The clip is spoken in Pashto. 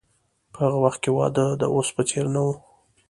په هغه وخت کې واده د اوس په څیر نه و.